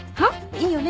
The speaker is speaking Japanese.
いいよね？